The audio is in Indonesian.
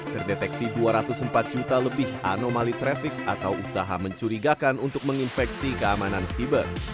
terdeteksi dua ratus empat juta lebih anomali trafik atau usaha mencurigakan untuk menginfeksi keamanan siber